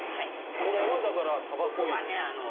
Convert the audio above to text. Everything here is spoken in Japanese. これはたばこ入れ。